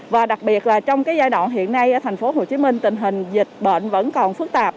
và đặc biệt là trong giai đoạn hiện nay thành phố hồ chí minh tình hình dịch bệnh vẫn còn phức tạp